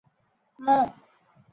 ମୁଁ-